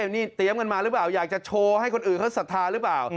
นี่เตรียมกันมาหรือเปล่าอยากจะโชว์ให้คนอื่นเขาศรัทธาหรือเปล่า